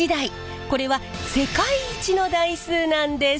これは世界一の台数なんです。